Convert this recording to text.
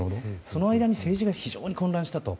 その間に政治が非常に混乱したと。